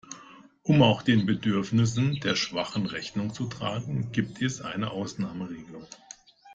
Um auch den Bedürfnissen der Schwachen Rechnung zu tragen, gibt es eine Ausnahmeregelung.